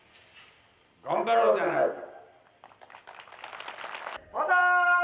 頑張ろうじゃないか。